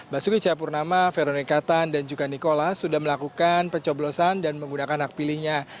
basuki cahayapurnama veronika tan dan juga nikola sudah melakukan pencoblosan dan menggunakan hak pilihnya